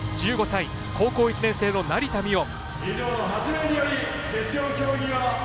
１５歳、高校１年生の成田実生。